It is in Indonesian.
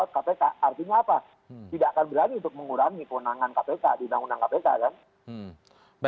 artinya apa tidak akan berani untuk mengurangi keunangan kpk diundang undang kpk kan